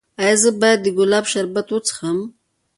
ایا زه باید د ګلاب شربت وڅښم؟